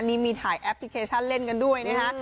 นี่มีถ่ายแอปพลิเคชันเล่นกันด้วยนะฮะ